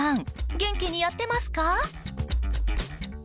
元気にやってますか？